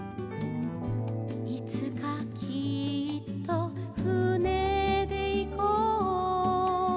「いつかきっとふねでいこう」